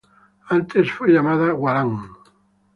Antes fue llamado "Gualán".